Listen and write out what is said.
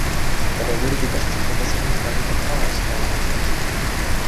Dabei wurde die beste Verbesserung bei den Agrarausgaben verzeichnet.